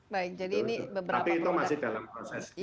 tapi itu masih dalam proses